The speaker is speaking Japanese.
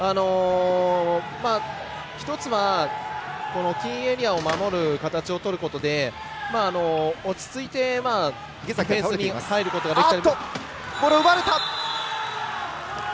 １つはこのキーエリアを守る形をとることで落ち着いて、ディフェンスに入ることができます。